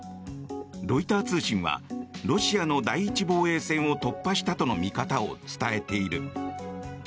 ロイター通信はロシアの第１防衛線を突破したとの見方を伝えている。